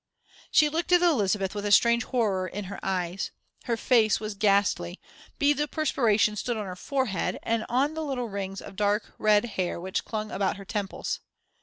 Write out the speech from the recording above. She looked at Elizabeth with a strange horror in her eyes. Her face was ghastly, beads of perspiration stood on her forehead, and on the little rings of dark red hair, which clung about her temples.